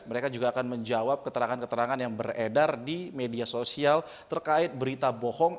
mereka juga akan menjawab keterangan keterangan yang beredar di media sosial terkait berita bohong